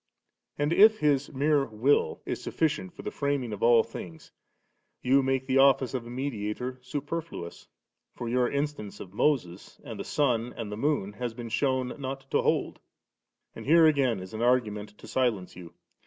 And if His mere will 7 is sufficient for the framing of all things, you make the office of a mediator superfluous ; for your instance of Moses, and the sun and the moon has been shewn not to hold. And here again is an argument to silence you.